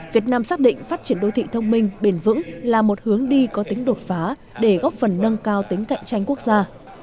việt nam xác định phát triển đô thị thông minh bền vững là một hướng đi có tính đột phá để góp phần nâng cao tính cạnh tranh quốc gia